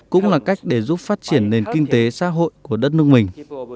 cũng là cách để giúp phát triển nền kinh tế xã hội của đất nước mình